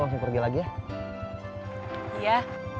aku pergi lagi ya iya